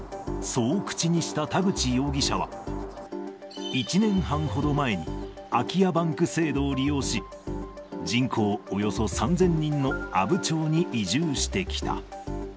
そう口にした田口容疑者は、１年半ほど前に、空き家バンク制度を利用し、人口およそ３０００人の阿武町に移住してきた。